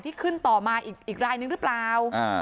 ขึ้นต่อมาอีกรายนึงหรือเปล่า